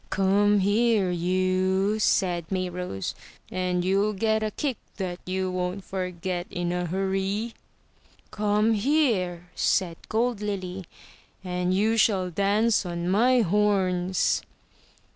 "Come here, you!" said Mayrose, "and you'll get a kick that you won't forget in a hurry!" "Come here," said Gold Lily, "and you shall dance on my horns!"